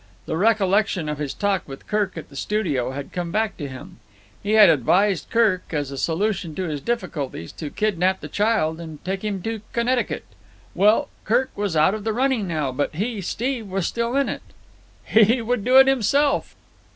The recollection of his talk with Kirk at the studio had come back to him. He had advised Kirk, as a solution of his difficulties, to kidnap the child and take him to Connecticut. Well, Kirk was out of the running now, but he, Steve, was still in it. He would do it himself.